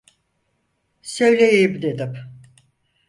Söyleyeyim dedim.